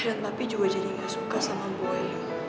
dan papi juga jadi gak suka sama boy